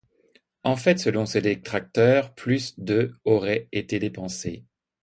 En fait selon ses détracteurs, plus de auraient été dépensés.